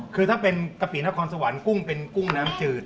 คือถ้าเป็นกะปินครสวรรค์กุ้งเป็นกุ้งน้ำจืด